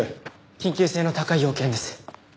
緊急性の高い用件です。